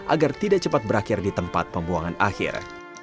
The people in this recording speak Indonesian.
agar tidak cepat berakhir di tempat pembuangan akhir